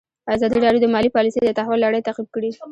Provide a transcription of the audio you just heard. ازادي راډیو د مالي پالیسي د تحول لړۍ تعقیب کړې.